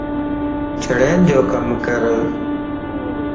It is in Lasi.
چھڻين جو ڪم ڪر